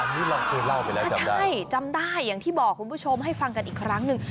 อันนี้เราเคยเล่าไปแล้วจำได้ใช่จำได้อย่างที่บอกคุณผู้ชมให้ฟังกันอีกครั้งหนึ่ง